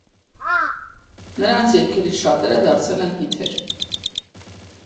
Նրանց երգերից շատերը դարձել են հիթեր։